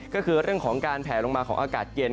ก็คือเรื่องของการแผลลงมาของอากาศเย็น